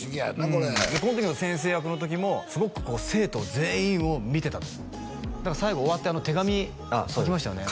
これこの時の先生役の時もすごくこう生徒全員を見てたとだから最後終わって手紙書きましたよね